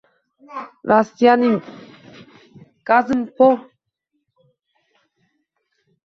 Rossiyaning Gazprom kompaniyasi Moldovaga gaz yetkazib berishni butunlay to‘xtatish bilan tahdid qildi